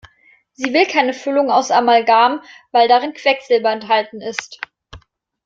Sie will keine Füllung aus Amalgam, weil darin Quecksilber enthalten ist.